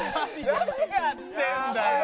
何やってんだよ。